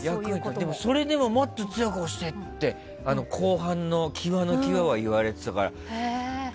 でも、それでももっと強く押してって後半の際の際は言われてたから。